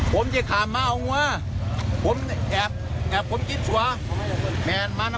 ฝนตกนะลื่นเหรอ